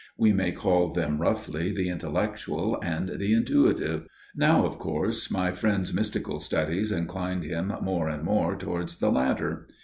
We may call them, roughly, the intellectual and the intuitive. Now of course my friend's mystical studies inclined him more and more towards the latter.